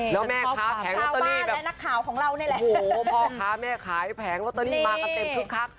แล้วแม่ค้าแผงลอตเตอรี่แบบโอ้โหพ่อค้าแม่ค้าให้แผงลอตเตอรี่มากับเต็มครึ่งครับ